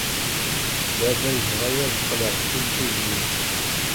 Baba yebɣa-iyi ad qqleɣ d timsujjit.